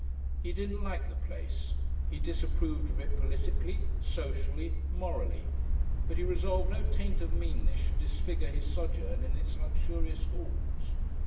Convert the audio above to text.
He didn't like the place; he disapproved of it politically, socially, morally, but he resolved no taint of meanness should disfigure his sojourn in its luxurious halls.